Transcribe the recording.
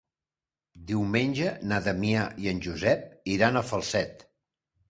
Diumenge na Damià i en Josep iran a Falset.